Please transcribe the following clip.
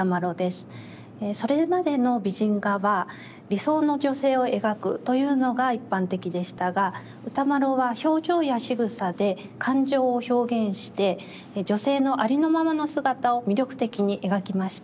それまでの美人画は理想の女性を描くというのが一般的でしたが歌麿は表情やしぐさで感情を表現して女性のありのままの姿を魅力的に描きました。